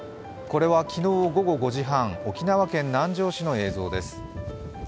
これは昨日午後５時半沖縄県南城市の映像です。